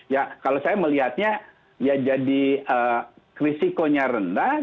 ya kalau saya melihatnya ya jadi risikonya rendah